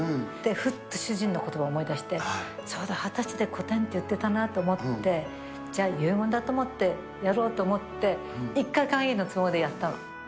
ふっと主人のことば思い出して、そうだ、２０歳で個展って言ってたなと思って、じゃあ、遺言だと思って、やろうと思って、１回限りのつもりでやったの。